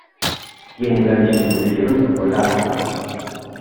Tienen una distribución holártica.